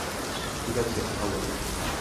ঠিক আছে, ভালো।